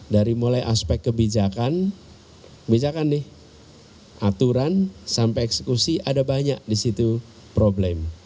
dari mulai aspek kebijakan misalkan nih aturan sampai eksekusi ada banyak di situ problem